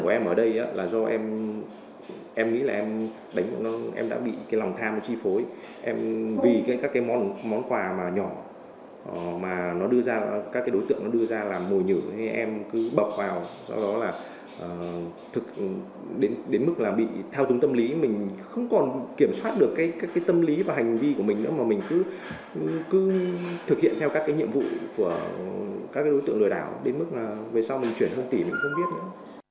em đã bị lòng tham chi phối vì các món quà nhỏ mà các đối tượng đưa ra làm mồi nhử em cứ bập vào đến mức bị thao túng tâm lý mình không còn kiểm soát được tâm lý và hành vi của mình nữa mà mình cứ thực hiện theo các nhiệm vụ của các đối tượng lừa đảo đến mức về sau mình chuyển một tỷ mình cũng không biết nữa